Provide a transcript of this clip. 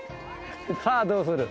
さあどうする？